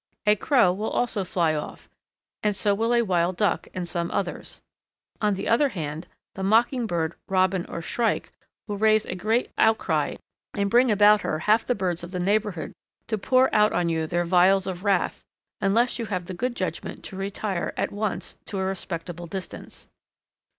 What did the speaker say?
A Crow will also fly off, and so will a Wild Duck and some others. On the other hand, the Mockingbird, Robin, or Shrike, will raise a great outcry and bring about her half the birds of the neighbourhood to pour out on you their vials of wrath, unless you have the good judgment to retire at once to a respectful distance.